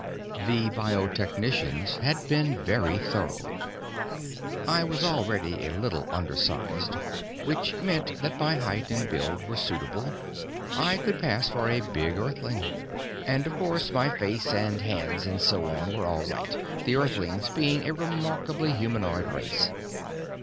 I The biotechnicians had been very thorough. I was already a little undersized, which meant that my height and build were suitable I could pass for a big Earthling. And of course my face and hands and so on were all right, the Earthlings being a remarkably humanoid race.